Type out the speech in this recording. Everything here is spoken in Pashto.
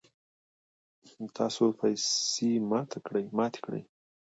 تاسو پیسی ماتی کړئ